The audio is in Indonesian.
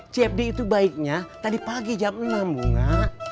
cfd itu baiknya tadi pagi jam enam bunga